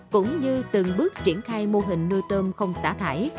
cũng như từng bước triển khai mô hình nuôi tôm không xả thải